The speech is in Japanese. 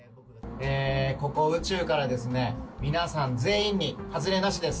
ここ、宇宙から皆さん全員に外れなしです。